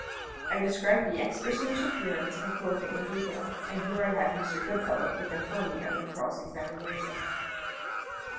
I described the ex prisoner's appearance and clothing in detail, and here I had Mr. Goodfellow to confirm me under cross examination.